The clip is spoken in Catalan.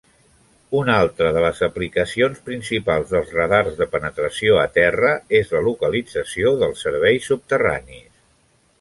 Una altra de les aplicacions principals dels radars de penetració a terra és la localització dels serveis subterranis.